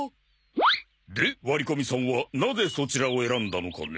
で和利古見さんはなぜそちらを選んだのかね？